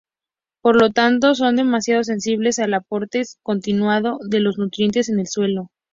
Por lo tanto son demasiado sensibles al aporte continuado de nutrientes en el suelo.